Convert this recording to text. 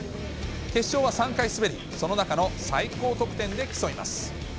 決勝は３回滑り、その中の最高得点で競います。